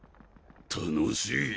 楽しい？